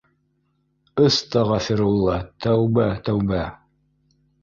Ыс- тағифирулла тәүбә-тәүбә